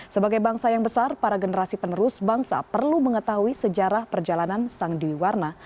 sebagai bangsa yang besar para generasi penerus bangsa perlu mengetahui sejarah perjalanan sang dewi warna